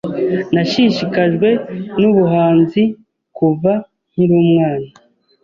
Nashishikajwe nubuhanzi kuva nkiri umwana.